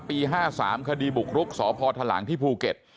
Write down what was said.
๕๓คดีบุกรุกสพทหลังที่ภูเก็ต